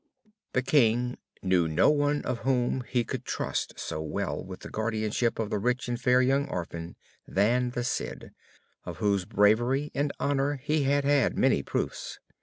The king knew no one whom he could trust so well with the guardianship of the rich and fair young orphan than the Cid, of whose bravery and honor he had had many proofs.